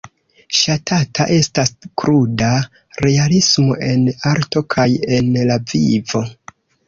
Ŝatata estas kruda realismo, en arto kaj en la vivo.